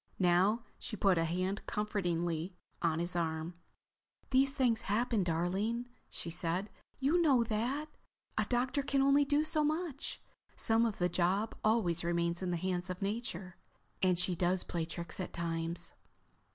Now she put a hand comfortingly on his arm. "These things happen, darling," she said. "You know that. A doctor can only do so much. Some of the job always remains in the hands of Nature. And she does play tricks at times."